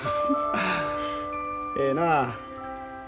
ええなあ。